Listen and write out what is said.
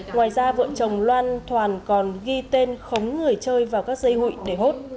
ngoài ra vợ chồng loan thoản còn ghi tên khống người chơi vào các dây hụi để hốt